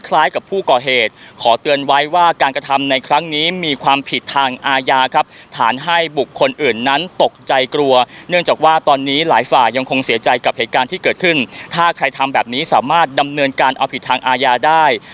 กับเหตุการณ์ที่เกิดขึ้นถ้าใครทำแบบนี้สามารถดำเนินการเอาผิดทางอาญาได้